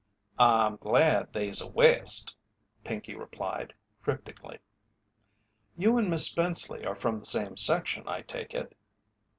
"I'm glad they's a West," Pinkey replied, cryptically. "You and Miss Spenceley are from the same section, I take it?"